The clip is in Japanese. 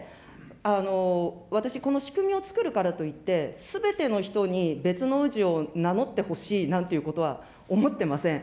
私、この仕組みを作るからといって、すべての人に別の氏を名乗ってほしいなんてことは思ってません。